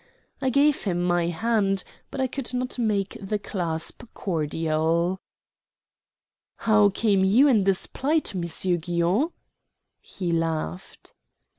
I gave him my hand, but I could not make the clasp cordial. "How came you in this plight, M. Guion?" He laughed.